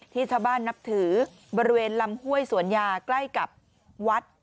ที่ชาวบ้านนับถือบริเวณลำห้วยสวนยาใกล้กับวัด